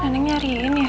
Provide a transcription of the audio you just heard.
neneng nyariin ya